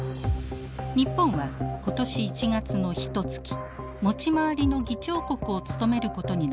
日本は今年１月のひとつき持ち回りの議長国を務めることになりました。